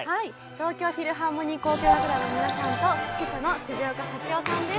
東京フィルハーモニー交響楽団の皆さんと指揮者の藤岡幸夫さんです。